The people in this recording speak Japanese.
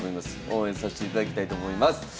応援さしていただきたいと思います。